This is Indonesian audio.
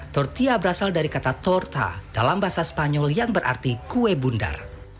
tortilla berasal dari kata torta dalam bahasa spanyol yang berarti kue bundar